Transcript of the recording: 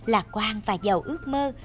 lạc quan và giàu ước mơ